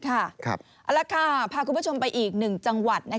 เอาละค่ะพาคุณผู้ชมไปอีกหนึ่งจังหวัด